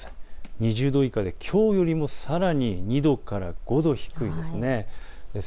２０度以下できょうよりもさらに２度から５度低いです。